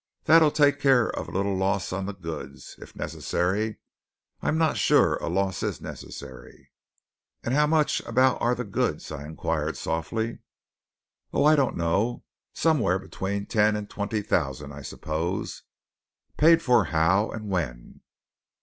That'll take care of a little loss on the goods, if necessary. I'm not sure a loss is necessary." "And how much, about, are the goods?" I inquired softly. "Oh, I don't know. Somewhere between ten and twenty thousand, I suppose." "Paid for how, and when?"